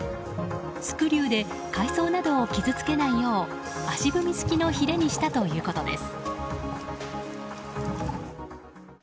スクリューで海草などを傷つけないよう足踏み式のひれにしたということです。